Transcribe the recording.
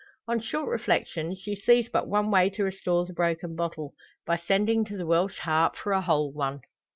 On short reflection she sees but one way to restore the broken bottle by sending to the "Welsh Harp" for a whole one.